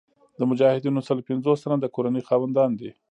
د مجاهدینو سل پنځوس تنه د کورنۍ خاوندان دي.